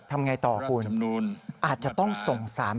ทำไงต่อคุณอาจจะต้องส่งสาร